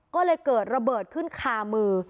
ก็เลยเกิดระเบิดขึ้นคามือ